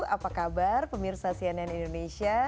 apa kabar pemirsa cnn indonesia